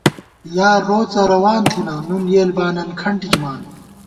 یار روڅہ روان تھنہ، نُن یېل بانن کھنٹ ژِمان